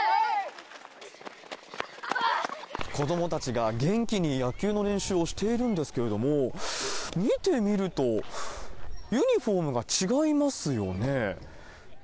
子どもたちが元気に野球の練習をしているんですけれども、見てみると、ユニホームが違いますよね。